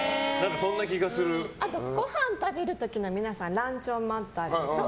あとごはん食べる時は皆さんランチョンマットあるでしょ？